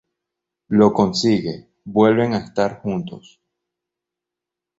Lo consigue, vuelven a estar juntos.